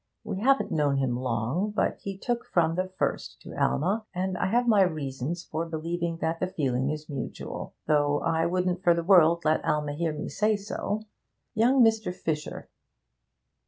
We haven't known him long, but he took from the first to Alma, and I have my reasons for believing that the feeling is mutial, though I wouldn't for the world let Alma hear me say so.' Young Mr. Fisher.